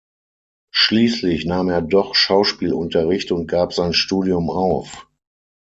Schließlich nahm er doch Schauspielunterricht und gab sein Studium auf.